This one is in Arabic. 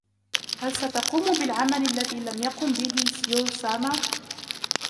هل ستقوم بالعمل الذي لم يقم به سيوسامه ؟